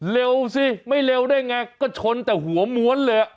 เร็วสิไม่เร็วได้ไงก็ชนแต่หัวม้วนเลย